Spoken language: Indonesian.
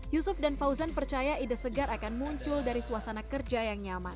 yusuf dan fauzan percaya ide segar akan muncul dari suasana kerja yang nyaman